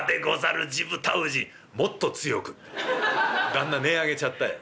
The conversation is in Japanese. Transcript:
旦那音ぇあげちゃったよ。